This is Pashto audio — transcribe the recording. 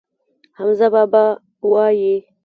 حمزه بابا وايي.